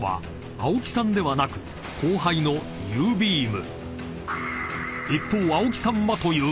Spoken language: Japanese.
青木さんではなく後輩のゆーびーむ☆］